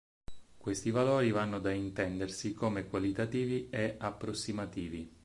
Questi valori vanno da intendersi come qualitativi e approssimativi.